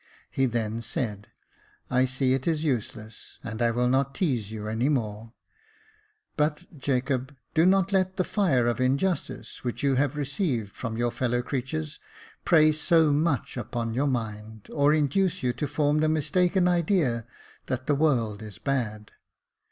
He then said —" I see it is useless, and I will not tease you any more ; but, Jacob, do not let the fire of injustice which you have received from your fellow creatures prey so much upon your mind, or induce you to form the mistaken idea that the world is bad.